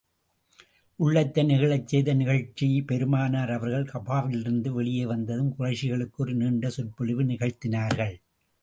உள்ளத்தை நெகிழச் செய்த நிகழ்ச்சி பெருமானார் அவர்கள் கஃபாவிலிருந்து வெளியே வந்ததும், குறைஷிகளுக்கு ஒரு நீண்ட சொற்பொழிவு நிகழ்த்தினார்கள்.